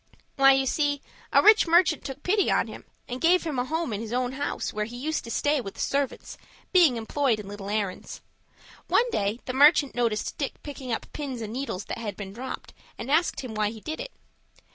"Why, you see, a rich merchant took pity on him, and gave him a home in his own house, where he used to stay with the servants, being employed in little errands. One day the merchant noticed Dick picking up pins and needles that had been dropped, and asked him why he did it.